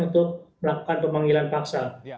untuk melakukan pemanggilan paksa